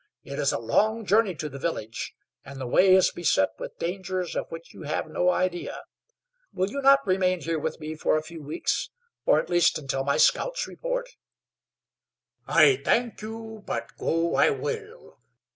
It is a long journey to the village, and the way is beset with dangers of which you have no idea. Will you not remain here with me for a few weeks, or, at least, until my scouts report?" "I thank you; but go I will."